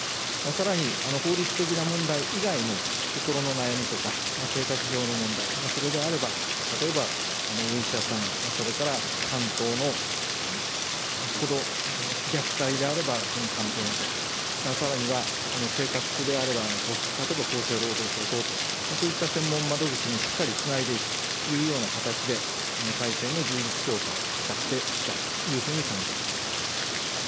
さらに、法律的な問題以外の心の悩みとか、生活上の問題それであれば、例えばお医者さん、それから担当の、虐待であればその担当、さらには、生活苦であれば、例えば厚生労働省等と、そういった専門窓口にしっかりつないでいくというような形で、体制の充実強化を図っていきたいというふうに考えています。